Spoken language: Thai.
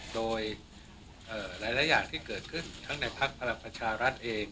โดยเอ่อหลายหลายอย่างที่เกิดขึ้นทั้งในภาคพระประชารัฐเอง